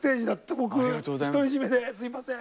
僕独り占めですいません。